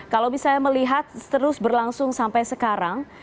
kalau misalnya melihat terus berlangsung sampai sekarang